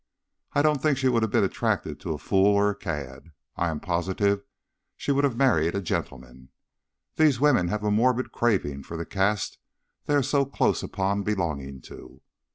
I don't think she would have been attracted to a fool or a cad; I am positive she would have married a gentleman. These women have a morbid craving for the caste they are so close upon belonging to."